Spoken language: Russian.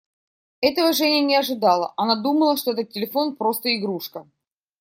Этого Женя не ожидала; она думала, что этот телефон просто игрушка.